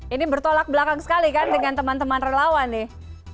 ini bertolak belakang sekali kan dengan teman teman relawan nih